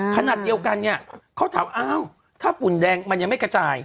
ขนาดเดียวกันเนี่ยเขาถามอ้าวถ้าฝุ่นแดงมันยังไม่กระจาย